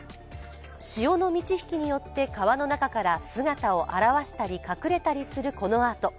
潮の満ち引きによって川の中から姿を現したり隠れたりするこのアート。